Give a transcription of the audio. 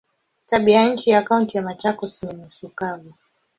Tabianchi ya Kaunti ya Machakos ni nusu kavu.